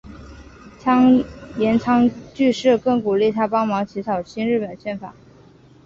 岩仓具视更鼓励他帮忙起草新日本宪法。